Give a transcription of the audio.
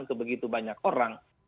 ke begitu banyak orang